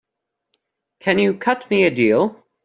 Can you cut me a deal?